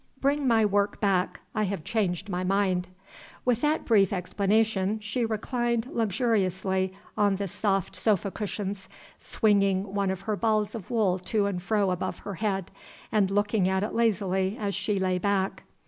"Bring my work back; I have changed my mind." With that brief explanation she reclined luxuriously on the soft sofa cushions, swinging one of her balls of wool to and fro above her head, and looking at it lazily as she lay back.